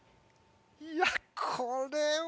いやこれは。